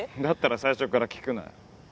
だったら最初から聞くなよ。